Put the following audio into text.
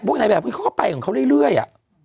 พวกนี้แบบเค้าก็ไปกับเค้าเรื่อย